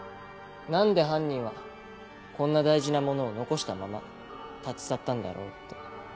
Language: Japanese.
何で犯人はこんな大事な物を残したまま立ち去ったんだろうって。